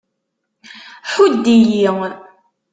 Ḥudd-iyi!